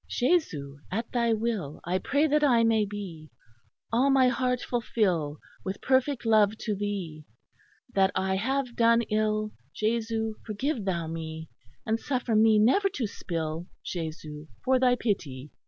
"Jesu, at thy will, I pray that I may be, All my heart fulfil with perfect love to thee: That I have done ill, Jesu forgive thou me: And suffer me never to spill, Jesu for thy pity."